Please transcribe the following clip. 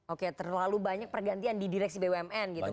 oke terlalu banyak pergantian di direksi bumn gitu